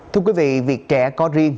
thưa quý vị việc trẻ có riêng